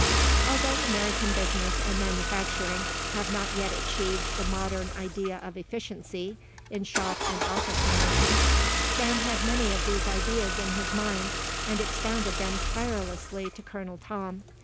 Although American business and manufacturing had not yet achieved the modern idea of efficiency in shop and office management, Sam had many of these ideas in his mind and expounded them tirelessly to Colonel Tom.